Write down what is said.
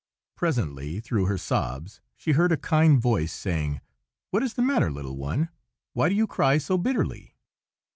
Presently, through her sobs, she heard a kind voice saying, "What is the matter, little one? Why do you cry so bitterly?"